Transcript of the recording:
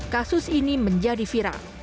kasus ini menjadi viral